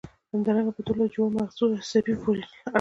همدارنګه په دوولس جوړو مغزي عصبو پورې اړه لري.